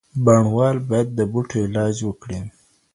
بڼوال باید د بوټو علاج وکړي.